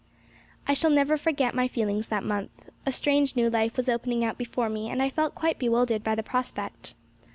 I shall never forget my feelings that month. A strange new life was opening out before me, and I felt quite bewildered by the prospect.